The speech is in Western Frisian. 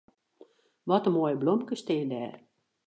Wat in moaie blomkes steane dêr.